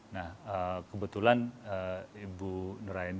nah kebetulan ibu nera ini